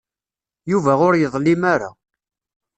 Yuba ur yeḍlim ara.